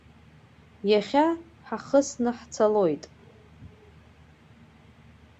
Иахьа ҳахысны ҳцалоит.